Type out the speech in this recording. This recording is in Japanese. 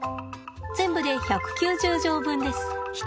全部で１９０錠分です。